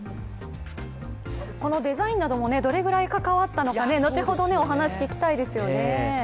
このデザインなどもどれぐらい関わったのか、後ほど、お話、聞きたいですよね。